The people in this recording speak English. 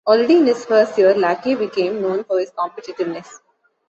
Already in his first year, Lackey became known for his competitiveness.